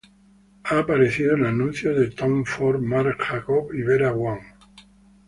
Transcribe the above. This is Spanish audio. Ha aparecido en anuncios de Tom Ford, Marc Jacobs, y Vera Wang.